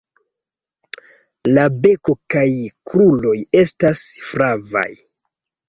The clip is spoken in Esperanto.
La beko kaj kruroj estas flavaj.